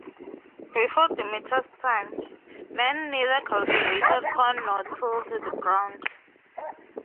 Before Demeter's time, men neither cultivated corn nor tilled the ground.